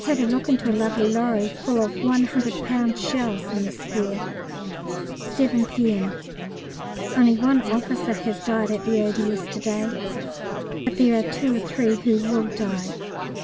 Had a look into a lovely lorry full of 100 lb. shells in the square. 7 P.M. Only one officer has died at the O.D.S. to day, but there are two or three who will die.